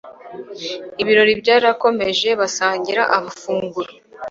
Ibirori byarakomeje basangira amafunguro